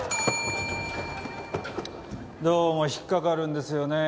どうも引っかかるんですよね。